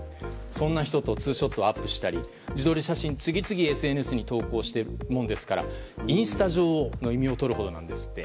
そんな人とツーショットをアップしたり自撮り写真を次々ＳＮＳにアップしてるものですからインスタ女王の異名をとるほどなんですって。